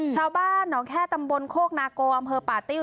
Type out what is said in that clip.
ชาวบ้านหนองแค่ตำบลโคกนาโกอำเภอป่าติ้ว